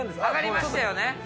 上がりましたよね。